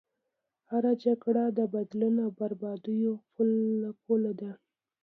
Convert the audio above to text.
هره جګړه د بدلون او بربادیو پوله ده.